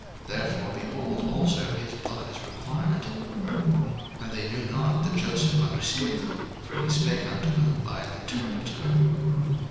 therefore, behold, also his blood is required. 01:042:023 And they knew not that Joseph understood them; for he spake unto them by an interpreter.